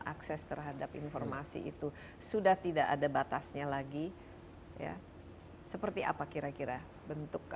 akses terhadap informasi itu sudah tidak ada batasnya lagi ya seperti apa kira kira bentuk